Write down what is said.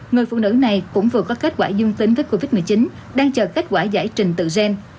người phụ nữ này cũng vừa có kết quả dương tính với covid một mươi chín đang chờ kết quả giải trình tự gen